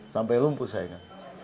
sampai lumpuh saya kan